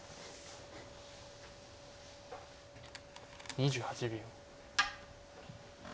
２８秒。